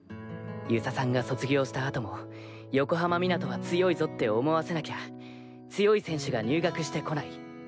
遊佐さんが卒業した後も横浜湊は強いぞって思わせなきゃ強い選手が入学してこない。